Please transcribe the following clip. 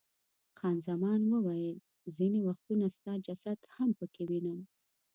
خان زمان وویل، ځیني وختونه ستا جسد هم پکې وینم.